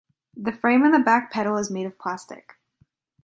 The frame and the back panel is made of plastic.